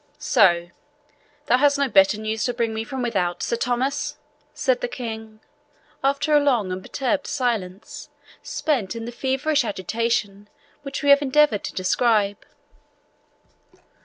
"So thou hast no better news to bring me from without, Sir Thomas!" said the King, after a long and perturbed silence, spent in the feverish agitation which we have endeavoured to describe.